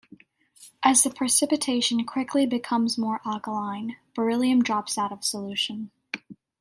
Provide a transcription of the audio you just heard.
As the precipitation quickly becomes more alkaline, beryllium drops out of solution.